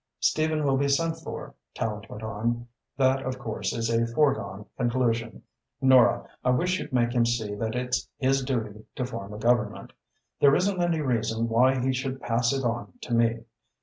"Stephen will be sent for," Tallente went on. "That, of course, is a foregone conclusion. Nora, I wish you'd make him see that it's his duty to form a Government. There isn't any reason why he should pass it on to me.